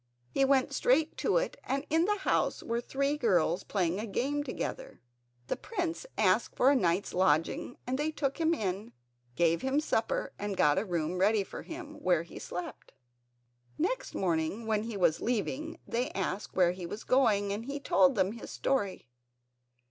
He went straight to it and in the house were three girls playing a game together. The prince asked for a night's lodging and they took him in, gave him some supper and got a room ready for him, where he slept. Next morning when he was leaving they asked where he was going and he told them his story.